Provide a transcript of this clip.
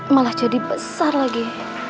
malah jadi besar lagi